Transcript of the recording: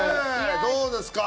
どうですか？